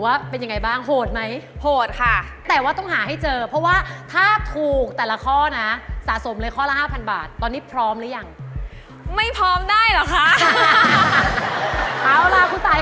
อันนี้เหรอหลักร้อยเนี่ยอาจจะเป็นหลักร้อย